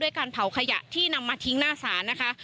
ด้วยการเผาขยะที่นำมาทิ้งหน้าศาสตร์